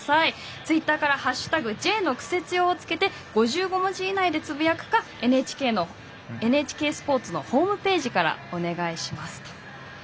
ツイッターから「＃Ｊのクセつよ」を付けて５５文字以内でつぶやくかＮＨＫスポーツのホームページからお願いします。